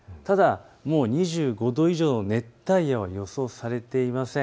ただ、もう２５度以上の熱帯夜が予想されていません。